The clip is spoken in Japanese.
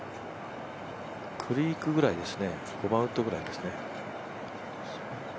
クリークぐらいですね５番ウッドぐらいですね。